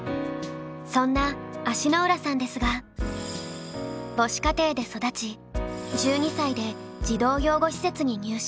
そんな足の裏さんですが母子家庭で育ち１２歳で児童養護施設に入所。